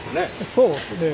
そうですね。